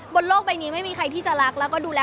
บนโลกใบนี้ไม่มีใครที่จะรักแล้วก็ดูแล